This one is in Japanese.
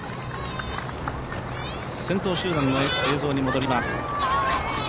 先頭集団の映像に戻ります。